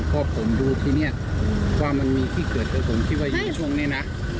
เพราะผมดูที่เนี้ยว่ามันมีที่เกิดเดี๋ยวผมที่ว่ายุ่งช่วงนี้น่ะ